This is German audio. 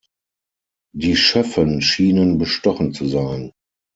Die Schöffen schienen bestochen zu sein.